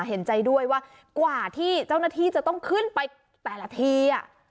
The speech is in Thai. เห็นใจด้วยว่ากว่าที่เจ้าหน้าที่จะต้องขึ้นไปแต่ละที